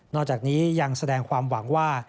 จากนี้ยังแสดงความหวังว่า